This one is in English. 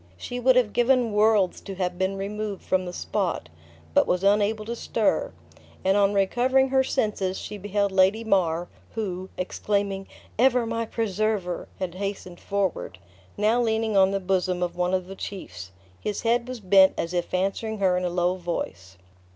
She would have given worlds to have been removed from the spot, but was unable to stir; and on recovering her senses, she beheld Lady Mar (who, exclaiming, "Ever my preserver!" had hastened forward), now leaning on the bosom of one of the chiefs: his head was bent as if answering her in a low voice.